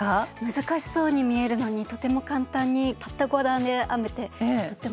難しそうに見えるのにとても簡単にたった５段で編めてとってもうれしかったです。